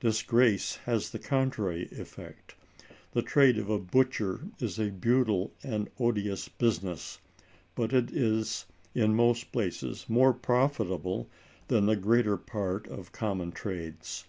"Disgrace has the contrary effect. The trade of a butcher is a brutal and an odious business; but it is in most places more profitable than the greater part of common trades.